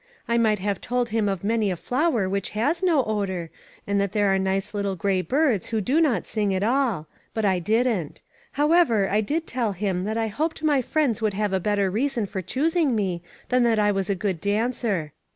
I might have told him of many a flower which has no odor, and that there are nice little gray birds who do not sing at all. But I didn't. However, I did tell him that I hoped my friends would have a bet ter reason for choosing me than that I was a good dancer.